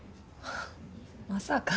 まさか。